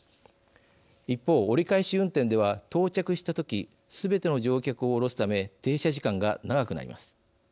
一方折り返し運転では到着した時すべての乗客を降ろすため停車時間が長くなります。